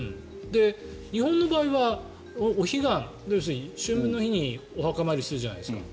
日本の場合はお彼岸、要するに春分の日にお墓参りをするじゃないですか。